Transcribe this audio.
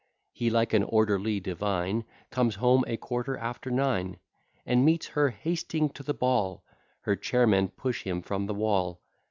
He like an orderly divine, Comes home a quarter after nine, And meets her hasting to the ball: Her chairmen push him from the wall.